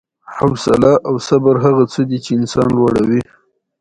د ریګ دښتې د افغانستان د امنیت په اړه هم اغېز لري.